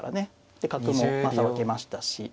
で角もさばけましたし。